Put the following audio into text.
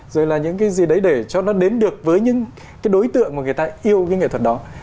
rồi là những cái gì đấy để cho nó đến được với những cái đối tượng mà người ta yêu cái nghệ thuật đó